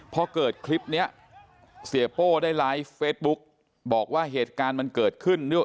พอเกิดคลิปนี้เสียโป้ได้ไลฟ์เฟสบุ๊กบอกว่าเหตุการณ์มันเกิดขึ้น